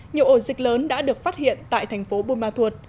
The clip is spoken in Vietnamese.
nhiều ổ dịch lớn đã được phát hiện tại thành phố buôn ma thuột